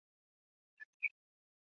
湖广钟祥县人。